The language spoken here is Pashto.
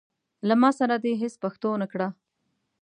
له ما سره دي هيڅ پښتو نه وکړه.